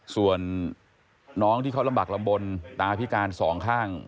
ส่วนน้องที่เขาลำบากลำบลตาพิการสองข้าง